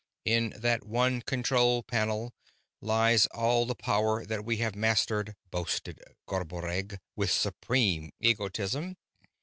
"In that one control panel lies all the power that we have mastered," boasted Garboreggg with supreme egotism.